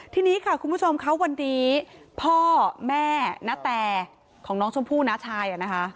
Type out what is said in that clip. ทีนี้ค่ะคุณผู้ชมค่ะวันนี้พ่อแม่ณแต่ของน้องชมพู่น้าชายนะคะ